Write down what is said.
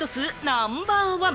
ナンバーワン！